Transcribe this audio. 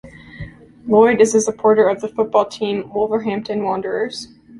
Lloyd is a supporter of the football team Wolverhampton Wanderers.